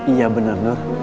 iya benar nur